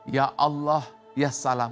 ya allah ya salam